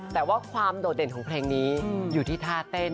แต่ว่าความโดดเด่นของเพลงนี้อยู่ที่ท่าเต้น